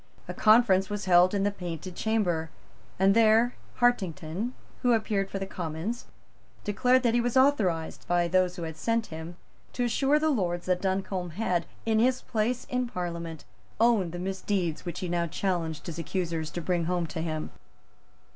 A conference was held in the Painted Chamber; and there Hartington, who appeared for the Commons, declared that he was authorized, by those who had sent him, to assure the Lords that Duncombe had, in his place in Parliament, owned the misdeeds which he now challenged his accusers to bring home to him.